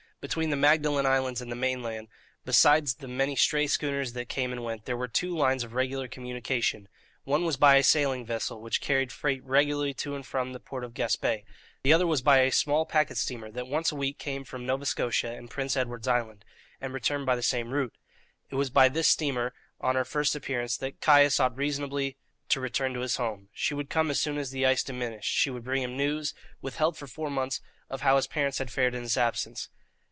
Between the Magdalen Islands and the mainland, besides the many stray schooners that came and went, there were two lines of regular communication one was by a sailing vessel which carried freight regularly to and from the port of Gaspé; the other was by a small packet steamer that once a week came from Nova Scotia and Prince Edward's Island, and returned by the same route. It was by this steamer, on her first appearance, that Caius ought reasonably to return to his home. She would come as soon as the ice diminished; she would bring him news, withheld for four months, of how his parents had fared in his absence.